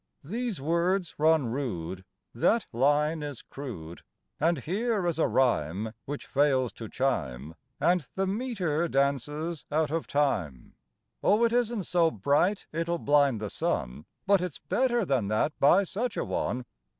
These words run rude; That line is crude; And here is a rhyme Which fails to chime, And the metre dances out of time. [Illustration: Look at Yourself Page 24.] Oh, it isn't so bright it'll blind the sun, But it's better than that by Such a one."